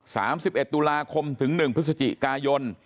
สามสิบเอ็ดตุลาคมถึง๑พม